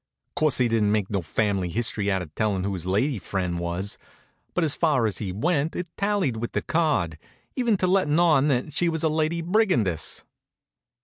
Course he didn't make no family hist'ry out of tellin' who his lady fren' was, but as far as he went it tallied with the card, even to lettin' on that she was a Lady Brigandess.